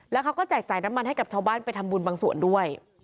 แล้วเขาก็แจกจ่ายน้ำมันให้กับชาวบ้านไปทำบุญบางส่วนด้วย